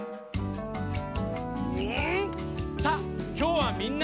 うん！